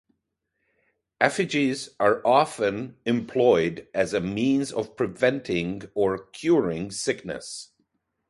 Effigies are often employed as a means of preventing or curing sickness.